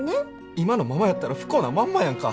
今のままやったら不幸なまんまやんか。